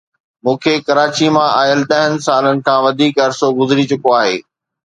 مون کي ڪراچيءَ ۾ آيل ڏهن سالن کان وڌيڪ عرصو گذري چڪو آهي